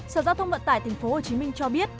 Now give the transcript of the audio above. sở giao thông vận tải thành phố hồ chí minh cho biết